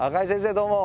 どうも！